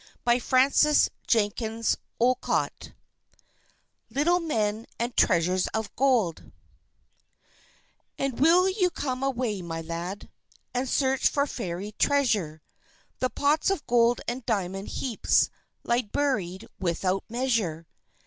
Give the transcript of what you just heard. John Greenleaf Whittier LITTLE MEN AND TREASURES OF GOLD _And will you come away, my lad, And search for Fairy Treasure? The pots of gold and diamond heaps Lie buried without measure.